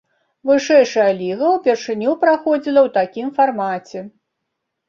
Вышэйшая ліга ўпершыню праходзіла ў такім фармаце.